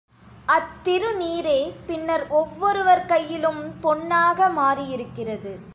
அத்திரு நீறே பின்னர் ஒவ்வொருவர் கையிலும் பொன்னாக மாறியிருக்கிறது.